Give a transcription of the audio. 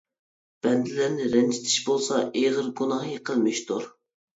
بەندىلەرنى رەنجىتىش بولسا ئېغىر گۇناھى قىلمىشتۇر.